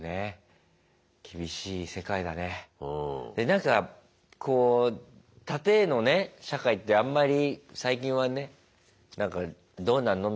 なんかこう縦のね社会ってあんまり最近はねなんかどうなの？